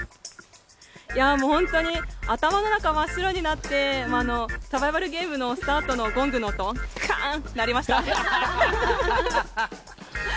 本当に頭の中真っ白になってサバイバルゲームのスタートのゴングの音がカーン！と鳴りました。